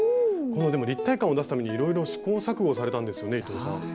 このでも立体感を出すためにいろいろ試行錯誤されたんですよね伊藤さん。